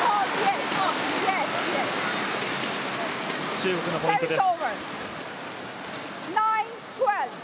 中国のポイントです。